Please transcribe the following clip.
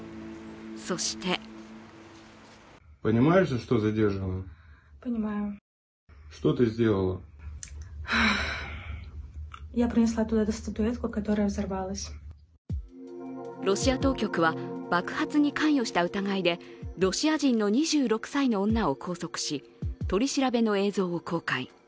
そしてロシア当局は爆発に関与した疑いでロシア人の２６歳の女を拘束し、取り調べの映像を公開。